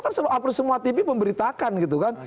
kan selalu update semua tv memberitakan gitu kan